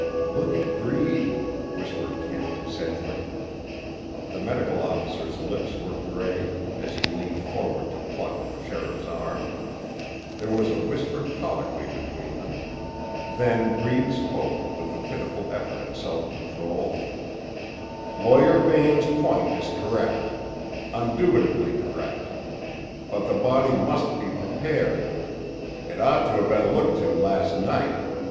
"Look at Breed," whispered Kent to Sedgwick. The medical officer's lips were gray, as he leaned forward to pluck at the sheriff's arm. There was a whispered colloquy between them. Then Breed spoke, with a pitiful effort at self control: "Lawyer Bain's point is correct; undoubtedly correct. But the body must be prepared. It ought to 'a' been looked to last night.